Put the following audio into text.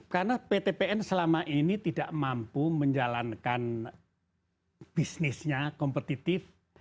karena ptpn selama ini tidak mampu menjalankan bisnisnya kompetitif